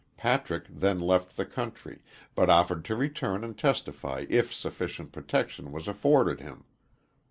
Patrick then left the country, but offered to return and testify if sufficient protection was afforded him.